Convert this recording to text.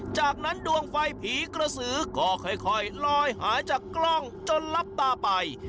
จากนั้นดวงไฟผีกระสือก็ค่อยลอยหายจากกล้องจนลับตาไป